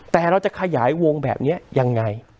แต่เราจะขยายวงแบบนี้ยังไง